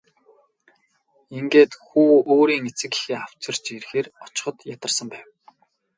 Ингээд хүү өөрийн эцэг эхээ авч ирэхээр очиход ядарсан байв.